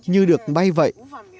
như được bay vậy